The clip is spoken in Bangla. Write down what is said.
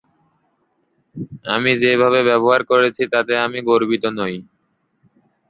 আমি যে ভাবে ব্যবহার করেছি তাতে আমি গর্বিত নই।